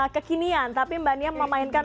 kekinian tapi mbak nia memainkan